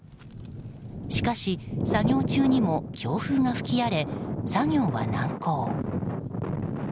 しかし作業中にも強風が吹き荒れ作業は難航。